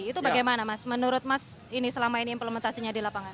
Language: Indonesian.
itu bagaimana mas menurut mas ini selama ini implementasinya di lapangan